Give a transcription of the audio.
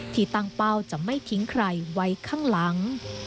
ที่ตั้งเป้าจะไม่ทิ้งใครไว้ข้างหลัง